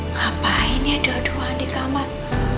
ngapain ya dua dua di kamar